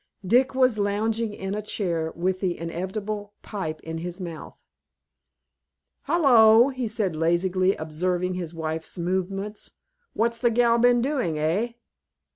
Dick was lounging in a chair, with the inevitable pipe in his mouth. "Hilloa!" said he, lazily, observing his wife's movements, "what's the gal been doing, hey?"